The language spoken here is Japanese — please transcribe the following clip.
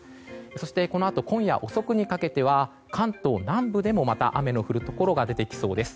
そしてこのあと今夜遅くにかけては関東南部でもまた雨の降るところ出てきそうです。